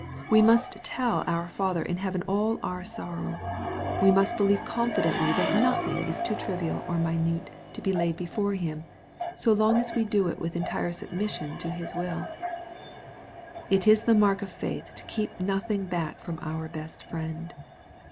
We must tell our Father in heaven all our sorrow. We must believe confidently that nothing is too trivial or minute to be laid before Him, so long as we do it with entire submission to His will. It is the mark of faith to keep nothing back from our best Friend.